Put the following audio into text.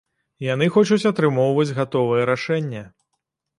Яны хочуць атрымоўваць гатовае рашэнне.